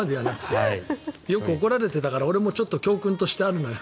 よく怒られてたから教訓としてあるのよ。